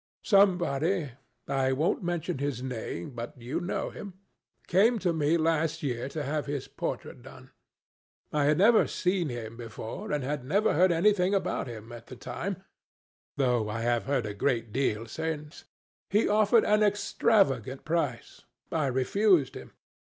Somebody—I won't mention his name, but you know him—came to me last year to have his portrait done. I had never seen him before, and had never heard anything about him at the time, though I have heard a good deal since. He offered an extravagant price. I refused him.